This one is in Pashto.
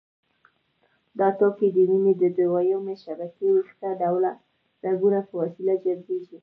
دا توکي د وینې د دویمې شبکې ویښته ډوله رګونو په وسیله جذبېږي.